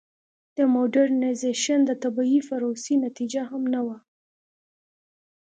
د موډرنیزېشن د طبیعي پروسې نتیجه هم نه وه.